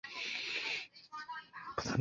泡芙一颗九十日币